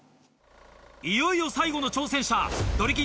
いよいよ最後の挑戦者ドリキン